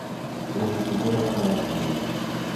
La agricultura estaba desarrollada.